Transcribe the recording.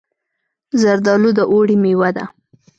زردالو د اوړي مېوه ده.